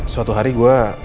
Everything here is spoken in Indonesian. suatu hari gue